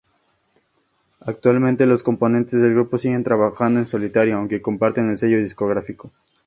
Actualmente los componentes del grupo siguen trabajando en solitario, aunque comparten el sello discográfico.